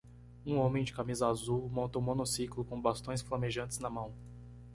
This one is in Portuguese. Um homem de camisa azul monta um monociclo com bastões flamejantes na mão.